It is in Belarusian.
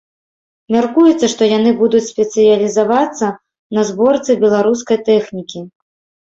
Мяркуецца, што яны будуць спецыялізавацца на зборцы беларускай тэхнікі.